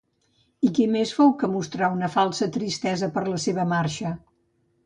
I qui més fou que mostrà una falsa tristesa per la seva marxa?